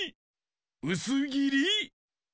うすぎり？